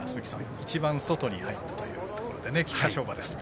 一番外に入ったということで菊花賞馬ですが。